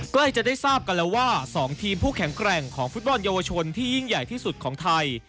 ใกล้จะได้ทราบกันแล้วว่า๒ทีมผู้แข็งแกร่งของฟุตบอลเยาวชนที่ยิ่งใหญ่ที่สุดของไทย